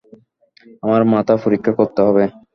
আমার মাথা পরীক্ষা করতে হবে!